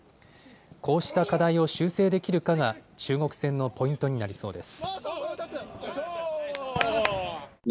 こうした課題を修正できるかが中国戦のポイントになりそうです。